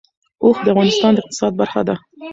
اوښ د افغانستان د اقتصاد برخه ده.